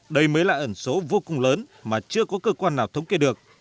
đây mới là ẩn số vô cùng lớn mà chưa có cơ quan nào thống kê được